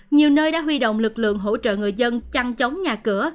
nhiều nơi đã huy động lực lượng hỗ trợ người dân chăn chống nhà cửa